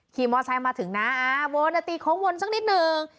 ขี่มอเตอร์ไซค์มาถึงนะอ่าโมนาตีโค้งวนสักนิดหนึ่ง